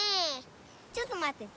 ちょっとまってて。